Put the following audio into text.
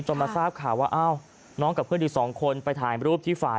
มาทราบข่าวว่าอ้าวน้องกับเพื่อนอีกสองคนไปถ่ายรูปที่ฝ่าย